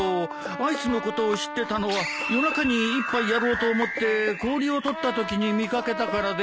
アイスのことを知ってたのは夜中に一杯やろうと思って氷を取ったときに見掛けたからで。